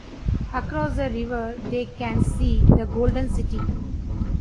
Across the river, they can see the golden city.